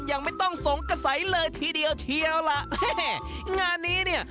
ยังไม่ต้องสงกระสัยเลยทีเดียวเชียวล่ะแม่งานนี้เนี่ย